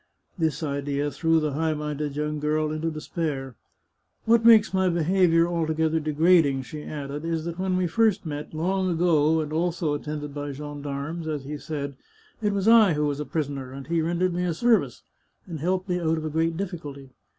This idea threw the high minded young girl into de spair. " What makes my behaviour altogether degrading," she added, " is that when we first met, long ago, and also attended by gendarmes, as he said, it was I who was a prisoner, and he rendered me a service — and helped me out of a great difficulty.